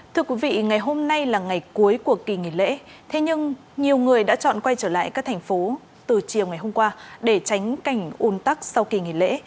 thưa quý vị ngày hôm nay là ngày cuối của kỳ nghỉ lễ thế nhưng nhiều người đã chọn quay trở lại các thành phố từ chiều ngày hôm qua để tránh cảnh un tắc sau kỳ nghỉ lễ